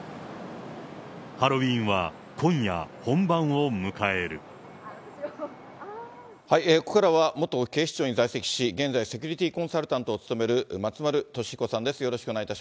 ハロウィーンは今夜、ここからは元警視庁に在籍し、現在、セキュリティーコンサルタントを務める松丸俊彦さんです。